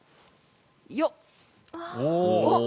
よっ。